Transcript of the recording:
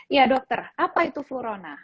ya dokter apa itu flurona